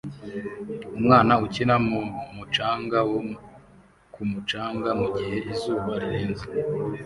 Umwana ukina mu mucanga wo ku mucanga mugihe izuba rirenze